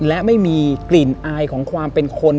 และไม่มีกลิ่นอายของความเป็นคน